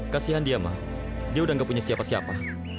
kasihan dia mah dia udah gak punya siapa siapa